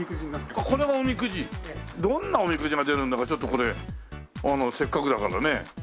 どんなおみくじが出るんだかちょっとこれせっかくだからね。